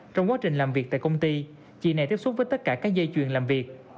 trong quá trình làm việc tại công ty chị này tiếp xúc với tất cả các dây chuyền làm việc